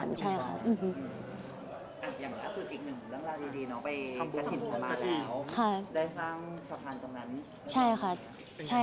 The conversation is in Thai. อย่างนั้นคุยอีกหนึ่งเรื่องราวดีน้องไปขาดสินสมาแล้ว